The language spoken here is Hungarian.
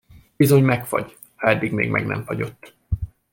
Bizony megfagy, ha eddig még meg nem fagyott!